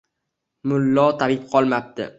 Mullo, tabib qolmabdi.